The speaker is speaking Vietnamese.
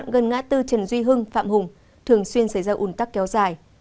gần ngã tư trần duy hưng phạm hùng thường xuyên xảy ra ủn tắc kéo dài